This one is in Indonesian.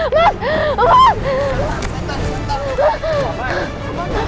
mas mas selamat tinggal